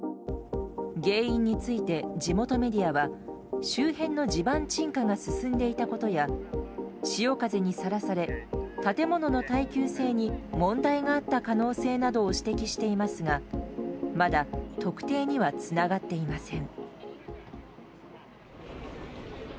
原因について地元メディアは周辺の地盤沈下が進んでいたことや潮風にさらされ建物の耐久性に問題があった可能性などを指摘していますがまだ特定にはつながっていません。